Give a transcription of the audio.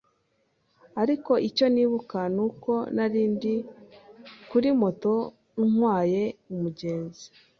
ariko icyo nibuka nuko nari ndi kuri moto ntwaye umugenzi